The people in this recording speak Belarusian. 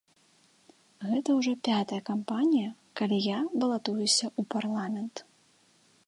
Гэта ўжо пятая кампанія, калі я балатуюся ў парламент.